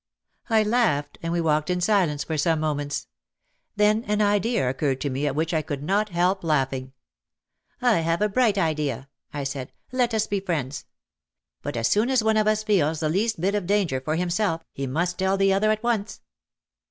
I laughed and we walked in silence for some moments. Then an idea occurred to me at which I could not help laughing. "I have a bright idea," I said. "Let us be friends. But as soon as one of us feels the least bit of danger for himself he must tell the other at once."